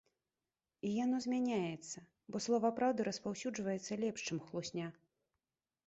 І яно змяняецца, бо слова праўды распаўсюджваецца лепш, чым хлусня.